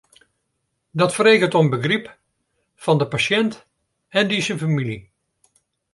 Dat freget om begryp fan de pasjint en dy syn famylje.